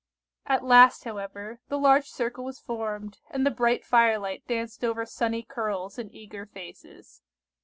At last, however, the large circle was formed, and the bright firelight danced over sunny curls and eager faces.